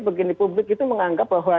begini publik itu menganggap bahwa